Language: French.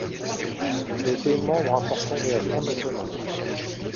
Il a été membre important de la franc-maçonnerie.